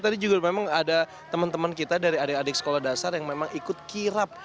tadi juga memang ada teman teman kita dari adik adik sekolah dasar yang memang ikut kirap